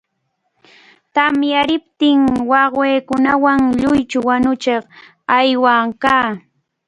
Tamyariptin, wawqiikunawan lluychu wañuchiq aywaq kaa.